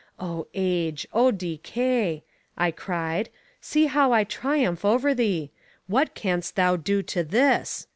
O Age! O Decay! I cried, see how I triumph over thee: what canst thou do to this?